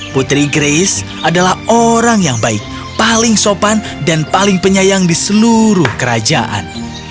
putri grace adalah orang yang baik paling sopan dan paling penyayang di seluruh kerajaan